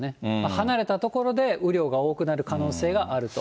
離れた所で雨量が多くなる可能性があると。